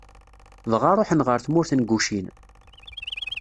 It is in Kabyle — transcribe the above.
dɣa ṛuḥen ɣer tmurt n Gucin.